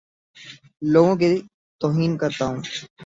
لوگوں کی توہین کرتا ہوں